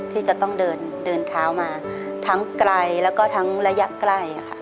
ที่จะต้องเดินเดินเท้ามาทั้งไกลแล้วก็ทั้งระยะใกล้ค่ะ